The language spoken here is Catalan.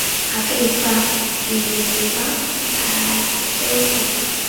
Aquell fa i desfà al seu gust.